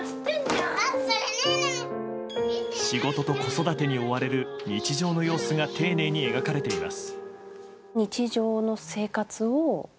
仕事と子育てに追われる日常の様子が丁寧に描かれています。